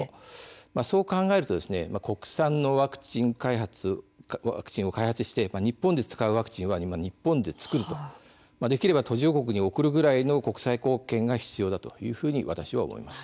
そう考えると国産のワクチン開発をして日本で使うワクチンは日本で作るできれば途上国に送るくらいの国際貢献が必要だと私は思います。